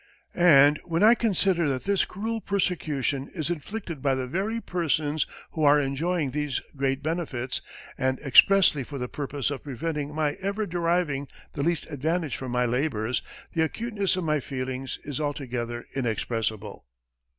And when I consider that this cruel persecution is inflicted by the very persons who are enjoying these great benefits, and expressly for the purpose of preventing my ever deriving the least advantage from my labors, the acuteness of my feelings is altogether inexpressible."